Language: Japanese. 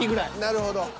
なるほど。